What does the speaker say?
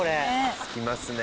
すきますね。